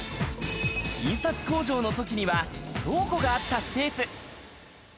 印刷工場のときには倉庫があったスペース。